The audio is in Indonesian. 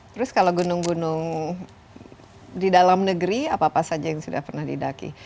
terus kalau gunung gunung di dalam negeri apa apa saja yang sudah pernah didaki